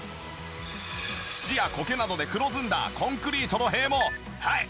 土や苔などで黒ずんだコンクリートの塀もはい！